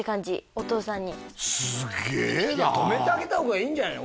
お父さんにいや止めてあげた方がいいんじゃない？